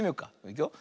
いくよ。